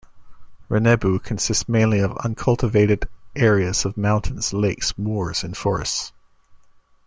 Rennebu mainly consists of uncultivated areas of mountains, lakes, moors, and forests.